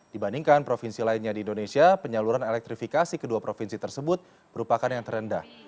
dibandingkan provinsi lainnya di indonesia penyaluran elektrifikasi kedua provinsi tersebut merupakan yang terendah